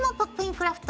クラフト」